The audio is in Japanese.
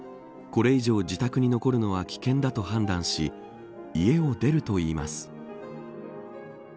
これ以上、自宅に残るのは危険だと判断し家を出るといいます。